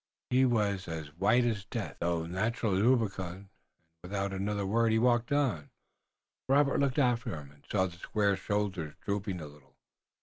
He was as white as death, though naturally rubicund, and without another word he walked on. Robert looked after him and saw the square shoulders drooping a little.